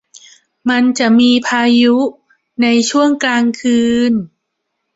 มันจะมีพายุในช่วงกลางคืน